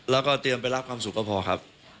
แล้วก็เตรียมไปรับความสุขก็พอครับ